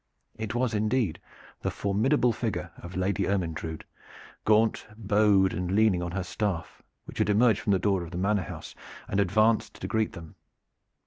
It was indeed the formidable figure of the Lady Ermyntrude, gaunt, bowed and leaning on her staff, which had emerged from the door of the manor house and advanced to greet them.